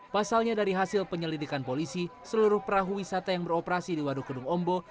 pasalnya dari hasil penyelidikan polisi seluruh perahu wisata yang beroperasi di waduk kedung ombo